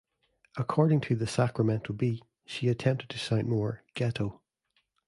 According to "The Sacramento Bee", she attempted to sound more "ghetto".